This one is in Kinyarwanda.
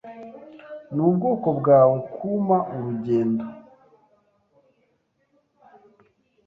Nubwoko bwawe kumpa urugendo.